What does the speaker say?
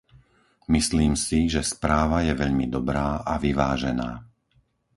Myslím si, že správa je veľmi dobrá a vyvážená.